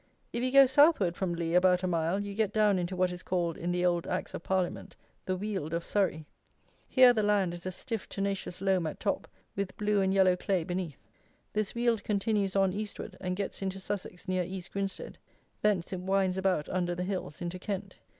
If you go southward from Lea about a mile you get down into what is called, in the old Acts of Parliament, the Weald of Surrey. Here the land is a stiff tenacious loam at top with blue and yellow clay beneath. This Weald continues on eastward, and gets into Sussex near East Grinstead: thence it winds about under the hills, into Kent.